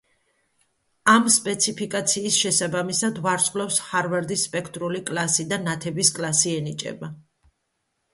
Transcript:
ამ სპეციფიკაციის შესაბამისად ვარსკვლავს ჰარვარდის სპექტრული კლასი და ნათების კლასი ენიჭება.